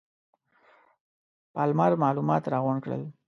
پالمر معلومات راغونډ کړل.